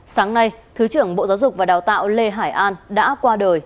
sáng nay thứ trưởng bộ giáo dục và đào tạo lê hải an đã qua đời